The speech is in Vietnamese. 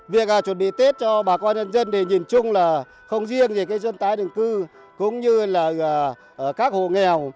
việc chuẩn bị tết cho bà con nhân dân nhìn chung là không riêng về dân tái định cư cũng như là các hộ nghèo